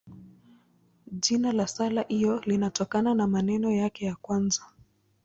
Jina la sala hiyo linatokana na maneno yake ya kwanza.